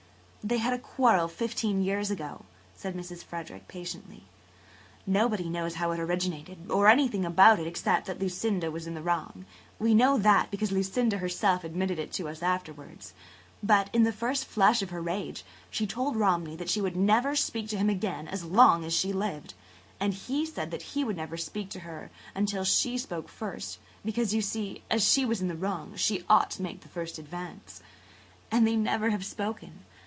" "They had a quarrel fifteen years ago," said Mrs. Frederick patiently. "Nobody knows how it originated or anything about it except that Lucinda was in the wrong. We know that, because Lucinda herself admitted it to us afterwards. But, in the first flush of her rage, she told Romney that she would never speak to him again as long as she lived. And he said he would never speak to her until she spoke first–because, you see, as she was in the wrong she ought to make the first advance. And they never have spoken.